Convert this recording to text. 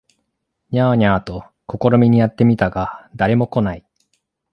ニャー、ニャーと試みにやって見たが誰も来ない